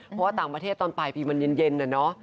เพราะว่าต่างประเทศตอนปลายปีมันเย็นอะเนาะ